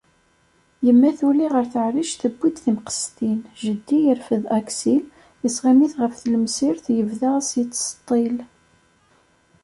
Yemma tuli ɣer taɛrict, tewwi-d timqestin. Jeddi yerfed Aksil, yesɣimit ɣef tlemsirt, yebda as yettseṭtil.